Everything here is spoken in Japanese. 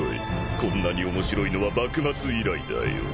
こんなに面白いのは幕末以来だよ。